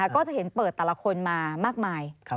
ก็จะเห็นเปิดแต่ละคนมามากมาย